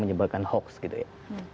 menyebarkan hoax gitu ya